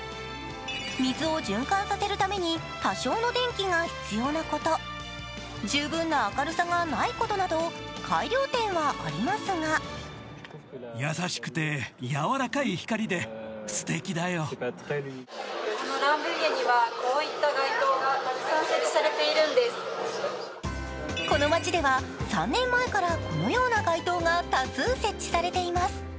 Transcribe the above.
水を循環させるために多少の電気が必要なこと、十分な明るさがないことなど改良点はありますがこの街では３年前からこのような街灯が多数設置されています。